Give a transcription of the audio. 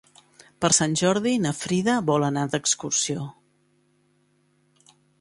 Per Sant Jordi na Frida vol anar d'excursió.